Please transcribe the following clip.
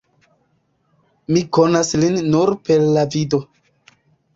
Mi konas lin nur per la vido.